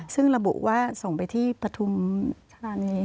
ซึ่งระบุว่าส่งไปที่ปฐุมธานี